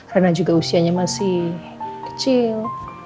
karena juga usianya masih kecil